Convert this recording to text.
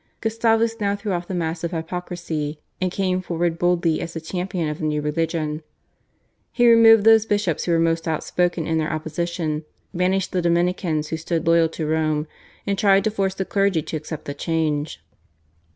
Gustavus now threw off the mask of hypocrisy, and came forward boldly as the champion of the new religion. He removed those bishops who were most outspoken in their opposition, banished the Dominicans who stood loyal to Rome, and tried to force the clergy to accept the change.